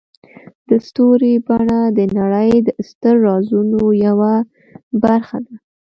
د ستوري بڼه د نړۍ د ستر رازونو یوه برخه ده.